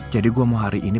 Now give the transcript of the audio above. jadi gue mau hari ini